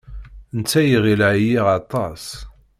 Netta iɣil ɛyiɣ aṭas.